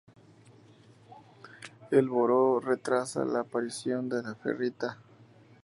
El boro retrasa la aparición de la ferrita.